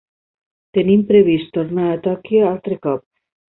Tenim previst tornar a Tòquio altre cop.